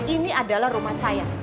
ini adalah rumah saya